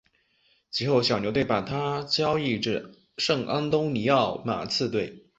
及后小牛队把他交易至圣安东尼奥马刺队。